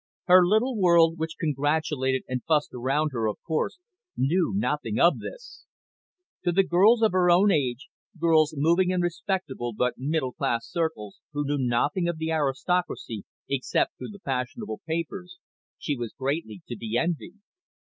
Her little world which congratulated and fussed around her, of course, knew nothing of this. To the girls of her own age, girls moving in respectable but middle class circles, who knew nothing of the aristocracy except through the fashionable papers, she was greatly to be envied.